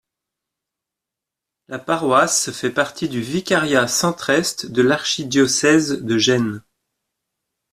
La paroisse fait partie du vicariat centre-est de l'archidiocèse de Gênes.